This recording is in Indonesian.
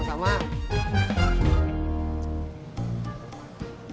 tapi ternyata gak